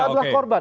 itu adalah korban